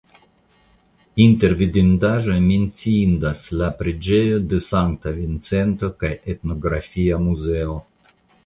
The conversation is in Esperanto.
Inter vidindaĵoj menciindas la preĝejo de Sankta Vincento kaj etnografia muzeo.